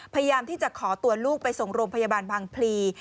พยายามที่จะขอตัวลูกไปส่งโรงพยาบาลบางพลี